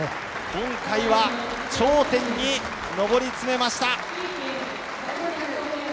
今回は頂点に上り詰めました。